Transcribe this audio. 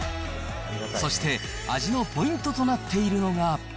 そして味のポイントとなっているのが。